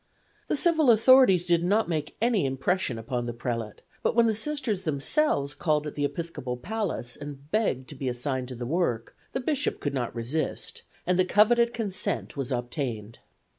The civil authorities did not make any impression upon the prelate, but when the Sisters themselves called at the episcopal palace and begged to be assigned to the work, the Bishop could not resist, and the coveted consent was obtained.